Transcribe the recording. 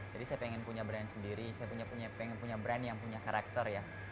jadi saya pengen punya brand sendiri saya pengen punya brand yang punya karakter ya